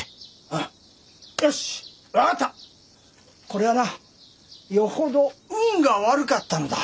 こりゃなよほど運が悪かったのだ。